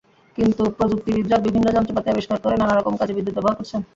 কিন্তু প্রযুক্তিবিদরা বিভিন্ন যন্ত্রপাতি আবিষ্কার করে নানা রকম কাজে বিদ্যুৎ ব্যবহার করেছেন।